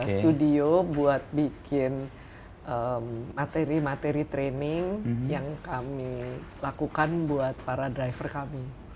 studio buat bikin materi materi training yang kami lakukan buat para driver kami